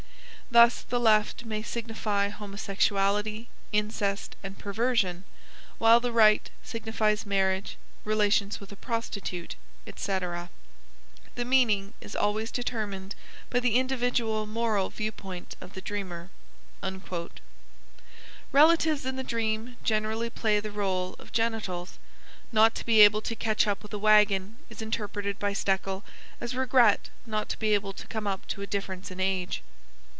Thus the left may signify homosexuality, incest, and perversion, while the right signifies marriage, relations with a prostitute, &c. The meaning is always determined by the individual moral view point of the dreamer." Relatives in the dream generally play the rôle of genitals. Not to be able to catch up with a wagon is interpreted by Stekel as regret not to be able to come up to a difference in age.